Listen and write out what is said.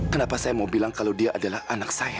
kenapa saya mau bilang kalau dia adalah anak saya